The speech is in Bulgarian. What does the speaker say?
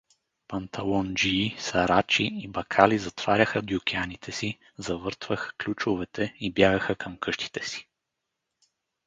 Панталонджии, сарачи и бакали затваряха дюкяните си, завъртваха ключовете и бягаха към къщите си.